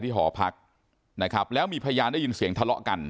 หอพักนะครับแล้วมีพยานได้ยินเสียงทะเลาะกัน